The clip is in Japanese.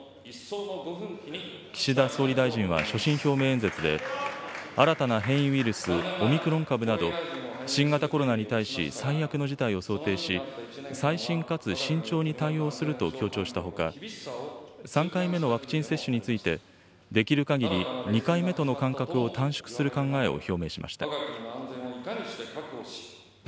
岸田総理大臣は所信表明演説で、新たな変異ウイルス、オミクロン株など、新型コロナに対し最悪の事態を想定し、細心かつ慎重に対応すると強調したほか、３回目のワクチン接種について、できるかぎり２回目との間隔を短縮する考えを表明しました。